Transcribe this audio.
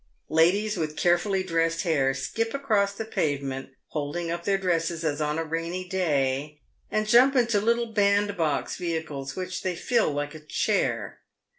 Ladies with carefully dressed hair skip across the pavement, holding up their dresses as on a rainy day, and jump into little bandbox vehicles which they fill like a chair.